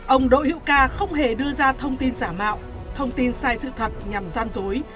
ông đỗ hữu ca không hề đưa ra thông tin giả mạo thông tin sai sự thật nhằm gian dối